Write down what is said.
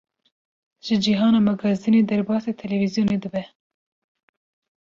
Ji cîhana magazînê derbasê televîzyonê dibe.